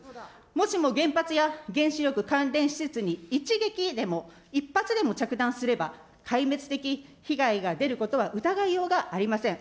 もしも原発や原子力関連施設に一撃でも、一発でも着弾すれば、壊滅的被害が出ることは疑いようがありません。